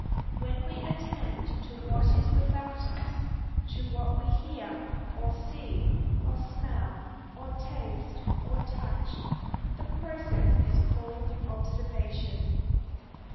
When we attend to what is without us, to what we hear, or see, or smell, or taste, or touch, the process is called observation.